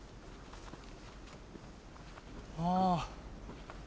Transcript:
ああ。